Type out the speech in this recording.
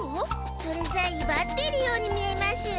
それじゃいばってるように見えます。